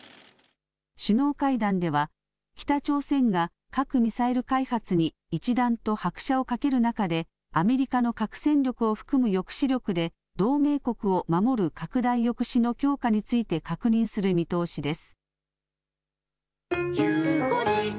首脳会談では、北朝鮮が核・ミサイル開発に一段と拍車をかける中で、アメリカの核戦力を含む抑止力で、同盟国を守る拡大抑止の強化について確認する見通しです。